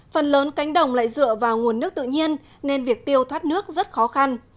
phần lớn cánh đồng lại dựa vào nguồn nước tự nhiên nên việc tiêu thoát nước rất khó khăn